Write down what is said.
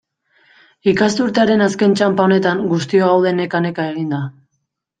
Ikasturtearen azken txanpa honetan, guztiok gaude neka-neka eginda.